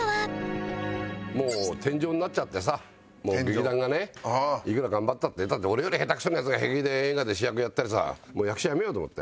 もう天井になっちゃってさ劇団がね。いくら頑張ったってだって俺より下手くそなヤツが平気で映画で主役やったりさもう役者辞めようと思って。